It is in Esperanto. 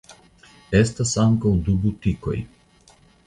Estas ankaŭ du butikoj.